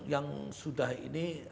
yang sudah ini